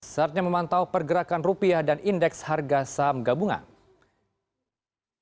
saatnya memantau pergerakan rupiah dan indeks harga saham gabungan